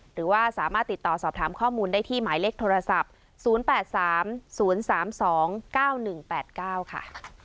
หรือว่าสามารถติดต่อสอบถามข้อมูลได้ที่หมายเลขโทรศัพท์๐๘๓๐๓๒๙๑๘๙ค่ะ